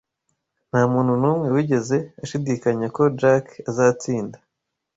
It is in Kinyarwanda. Ntamuntu numwe wigeze ashidikanya ko Jack azatsinda.